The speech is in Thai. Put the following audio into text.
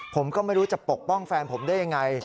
ผมก็ไม่รู้จะปกป้องแฟนผมได้ยังไง